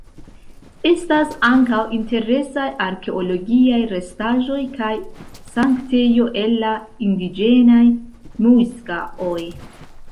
Estas ankaŭ interesaj arkeologiaj restaĵoj kaj sanktejo el la indiĝenaj mŭiska-oj.